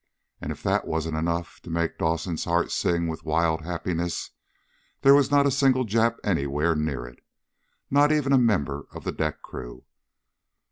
And if that wasn't enough to make Dawson's heart sing with wild happiness, there was not a single Jap anywhere near it. Not even a member of the deck crew.